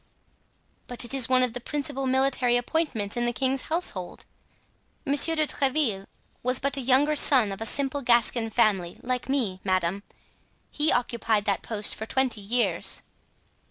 "But it is one of the principal military appointments in the king's household." "Monsieur de Tréville was but a younger son of a simple Gascon family, like me, madame; he occupied that post for twenty years."